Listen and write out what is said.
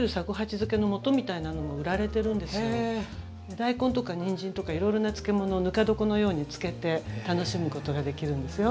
大根とかにんじんとかいろいろな漬物をぬか床のように漬けて楽しむことができるんですよ。